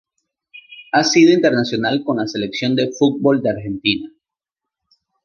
Ha sido internacional con la selección de fútbol de Argentina.